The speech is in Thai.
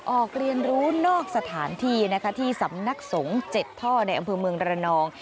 ออกเรียนรู้นอกสถานที่นะคะที่สำนักสงฆ์๗ท่อในอำเภอเมืองระนอง